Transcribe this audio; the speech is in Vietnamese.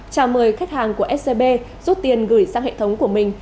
chào mời khách hàng của scb rút tiền gửi sang hệ thống của mình